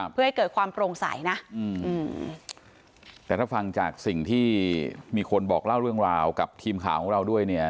เพื่อให้เกิดความโปร่งใสนะอืมแต่ถ้าฟังจากสิ่งที่มีคนบอกเล่าเรื่องราวกับทีมข่าวของเราด้วยเนี่ย